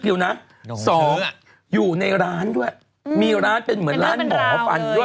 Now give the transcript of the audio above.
อยู่ในร้านด้วยมีร้านเป็นเหมือนร้านหมอฟันด้วย